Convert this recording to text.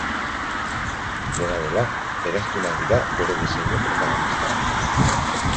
Dena dela, eraztunak dira bere diseinu protagonistak.